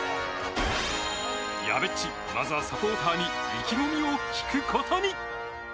やべっち、まずはサポーターに意気込みを聞くことに。